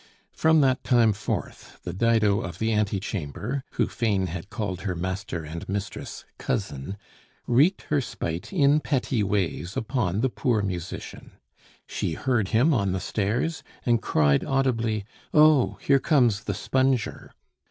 From that time forth the Dido of the ante chamber, who fain had called her master and mistress "cousin," wreaked her spite in petty ways upon the poor musician. She heard him on the stairs, and cried audibly, "Oh! here comes the sponger!"